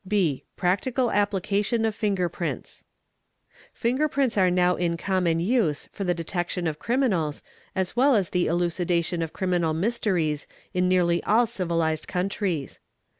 B. Practical application of Finger Prints. Finger prints are now in common use for the detection of criminals | as well as the elucidation of criminal mysteries in nearly all civilised © countries.